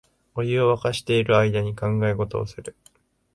お湯をわかしてる間に考え事をする